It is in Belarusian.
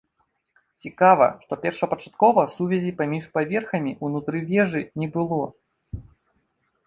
Цікава, што першапачаткова сувязі паміж паверхамі ўнутры вежы не было.